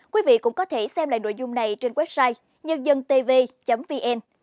quý vị cũng có thể xem lại nội dung này trên website nhân dân tv vn